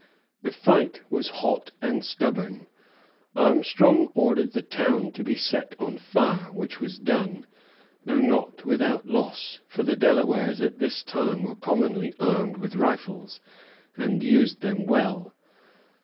The fight was hot and stubborn. Armstrong ordered the town to be set on fire, which was done, though not without loss; for the Delawares at this time were commonly armed with rifles, and used them well.